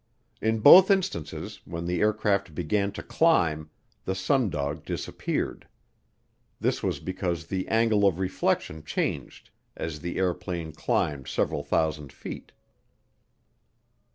In both instances when the aircraft began to climb, the sundog disappeared. This was because the angle of reflection changed as the airplane climbed several thousand feet.